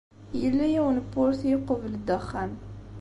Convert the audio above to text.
Yella yiwen n wurti iqubel-d axxam.